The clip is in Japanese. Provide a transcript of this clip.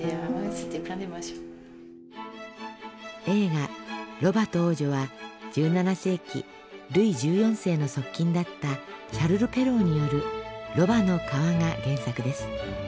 映画「ロバと王女」は１７世紀ルイ１４世の側近だったシャルル・ペローによる「ロバの皮」が原作です。